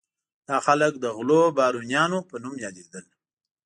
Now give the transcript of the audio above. دا خلک د غلو بارونیانو په نوم یادېدل.